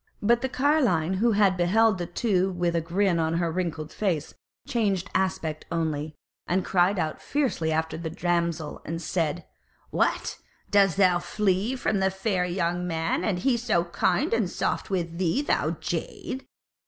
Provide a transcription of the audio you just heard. But the carline who had beheld the two with a grin on her wrinkled face changed aspect also, and cried out fiercely after the damsel, and said: "What! dost thou flee from the fair young man, and he so kind and soft with thee, thou jade?